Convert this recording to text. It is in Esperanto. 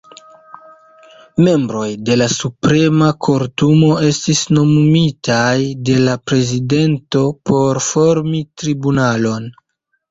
Membroj de la Suprema Kortumo estis nomumitaj de la prezidento por formi tribunalon.